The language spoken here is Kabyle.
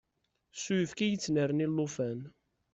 S uyefki i yettnerni llufan.